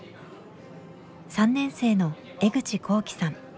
３年生の江口昂志さん